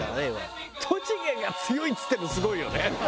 「栃木が強い」っつってるのすごいよね。